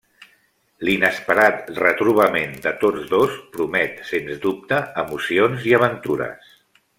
L'inesperat retrobament de tots dos promet, sens dubte, emocions i aventures.